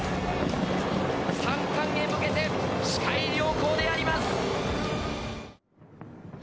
３冠へ向けて視界良好であります。